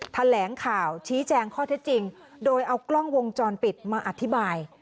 แถลงข่าวชี้แจงข้อเท็จจริงโดยเอากล้องวงจรปิดมาอธิบาย